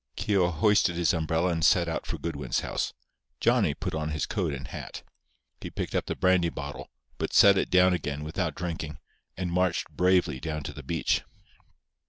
Keogh hoisted his umbrella and set out for Goodwin's house. Johnny put on his coat and hat. He picked up the brandy bottle, but set it down again without drinking, and marched bravely down to the beach.